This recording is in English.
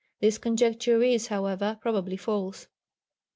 This conjecture is, however, probably false.